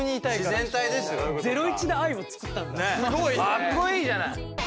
かっこいいじゃない。